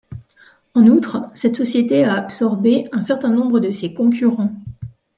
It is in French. En outre, cette société a absorbé un certain nombre de ses concurrents.